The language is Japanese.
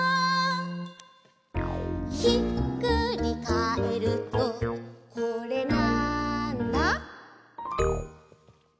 「ひっくりかえるとこれ、なんだ？」